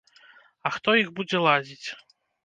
А хто іх будзе ладзіць?